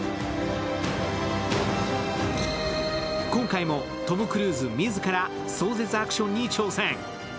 今回もトム・クルーズ自ら壮絶アクションに挑戦。